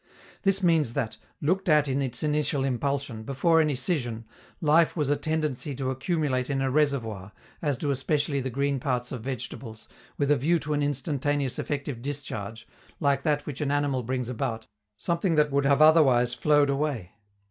This means that, looked at in its initial impulsion, before any scission, life was a tendency to accumulate in a reservoir, as do especially the green parts of vegetables, with a view to an instantaneous effective discharge, like that which an animal brings about, something that would have otherwise flowed away.